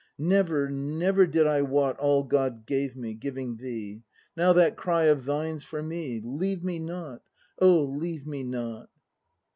Never, never did I wot All God gave me, giving thee; Now that cry of thine's for me: Leave me not! Oh leave me not!